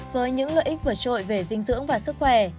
với những lợi ích vượt trội về dinh dưỡng và sức khỏe